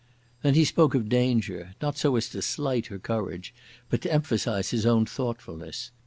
Then he spoke of danger, not so as to slight her courage, but to emphasise his own thoughtfulness.